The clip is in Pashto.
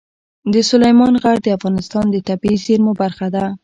سلیمان غر د افغانستان د طبیعي زیرمو برخه ده.